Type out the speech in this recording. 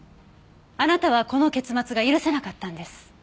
あなたはこの結末が許せなかったんです。